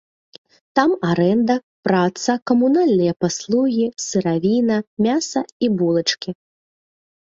Там арэнда, праца, камунальныя паслугі, сыравіна, мяса і булачкі.